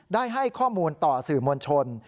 ได้ให้ข้อมูลต่อสื่อมวลชน